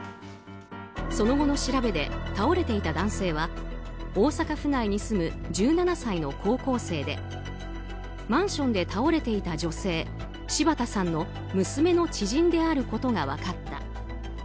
その後の調べで倒れていた男性は大阪府内に住む１７歳の高校生でマンションで倒れていた女性柴田さんの娘の知人であることが分かった。